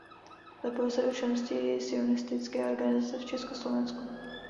Zapojil se do činnosti sionistické organizace v Československu.